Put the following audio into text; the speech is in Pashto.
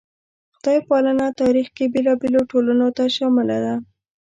خدای پالنه تاریخ کې بېلابېلو ټولنو ته شامله ده.